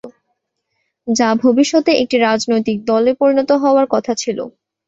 যা ভবিষ্যতে একটি রাজনৈতিক দলে পরিণত হওয়ার কথা ছিল।